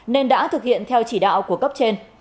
nên đã thực hiện theo chỉ đạo của cấp trên